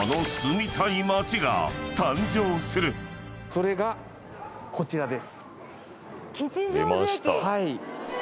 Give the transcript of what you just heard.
それがこちらです。